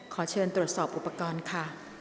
ขอเชิญตรวจสอบอุปกรณ์ค่ะ